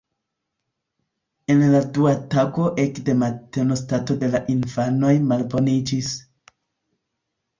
En la dua tago ekde mateno stato de la infanoj malboniĝis.